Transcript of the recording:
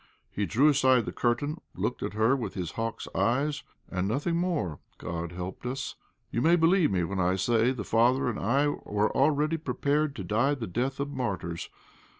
He drew aside the curtain, looked at her with his hawk's eyes, and nothing more; God helped us. You may believe me when I say the father and I were already prepared to die the death of martyrs.